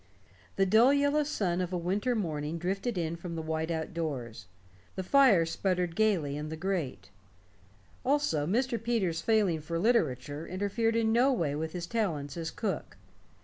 The dull yellow sun of a winter morning drifted in from the white outdoors; the fire sputtered gaily in the grate. Also, Mr. Peters' failing for literature interfered in no way with his talents as cook.